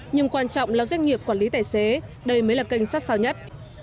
nhưng quan trọng là doanh nghiệp quản lý tài xế đây mới là kênh sát sao nhất